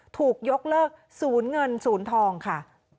ถูกยกเลิกศูนย์เงินศูนย์ทองค่ะ